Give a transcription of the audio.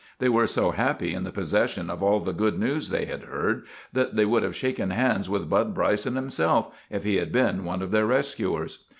They were so happy in the possession of all the good news they had heard that they would have shaken hands with Bud Bryson himself, if he had been one of their rescuers.